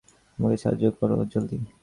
আমাকে সাহায্য করো, জলদি!